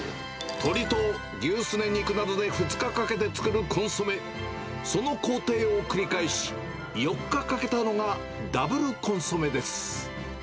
鶏と牛スネ肉などで２日かけて作るコンソメ、その工程を繰り返し、４日かけたのがダブルコンソメです。